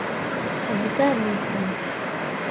Һеҙгә булһын.